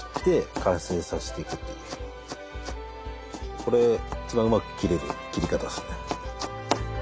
これ一番うまく切れる切り方ですね。